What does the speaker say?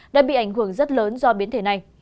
đã bị ảnh hưởng rất lớn do biến thể này